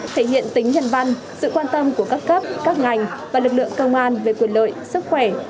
thể hiện tính nhân văn sự quan tâm của các cấp các ngành và lực lượng công an về quyền lợi sức khỏe